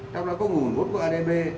trong đó có nguồn vốn của adb